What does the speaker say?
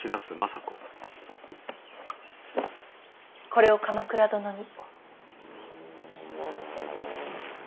これを鎌倉殿に。